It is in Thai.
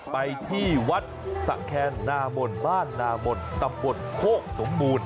ไปที่วัดสะแคนนามนบ้านนามนตำบลโคกสมบูรณ์